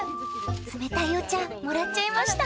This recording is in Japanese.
冷たいお茶もらっちゃいました！